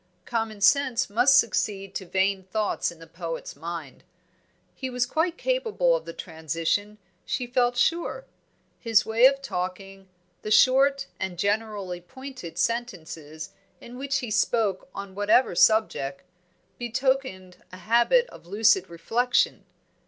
common sense must succeed to vain thoughts in the poet's mind. He was quite capable of the transition, she felt sure. His way of talking, the short and generally pointed sentences in which he spoke on whatever subject, betokened a habit of lucid reflection.